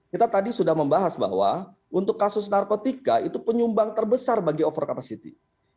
kita tadi sudah membahas bahwa untuk kasus narkotika itu penyumbang terbesar bagi over capacity